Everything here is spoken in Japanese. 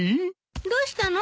どうしたの？